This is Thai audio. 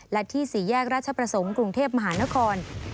และที่๔แยกราชประสงค์กรุงเทพมหานคร